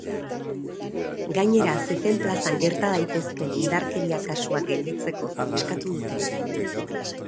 Gainera, zezen plazan gerta daitezkeen indarkeria kasuak gelditzeko eskatu dute.